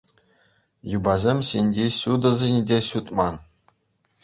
Юпасем ҫинчи ҫутӑсене те ҫутман.